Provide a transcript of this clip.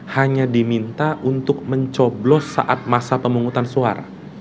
hanya diminta untuk mencoblos saat masa pemungutan suara